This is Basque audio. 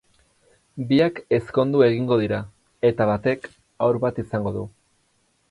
Biak ezkondu egingo dira, eta batek haur bat izango du.